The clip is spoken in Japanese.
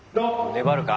粘るか？